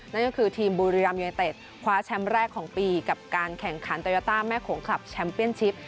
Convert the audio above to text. นั่นก็คือทีมบุรีรัมยูไนเต็ดคว้าแชมป์แรกของปีกับการแข่งขันโตยาต้าแม่โขงคลับแชมป์เปียนชิป